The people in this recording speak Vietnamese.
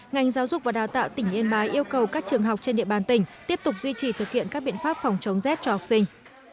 ngành giáo dục và đào tạo tỉnh yên bái yêu cầu các trường học trên địa bàn tỉnh tiếp tục duy trì thực hiện các biện pháp phòng chống rét cho học sinh